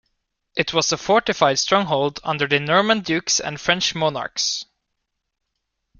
It was a fortified stronghold under the Norman dukes and French monarchs.